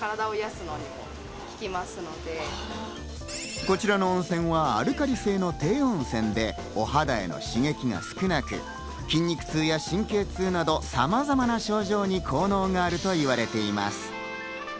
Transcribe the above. こちらの温泉はアルカリ性の低温泉でお肌への刺激が少なく、筋肉痛や神経痛など、さまざまな症状に効能があると言われています。